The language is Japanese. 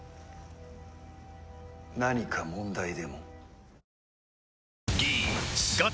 何か問題でも？